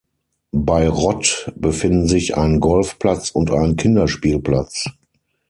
Bei Rott befinden sich ein Golfplatz und ein Kinderspielplatz.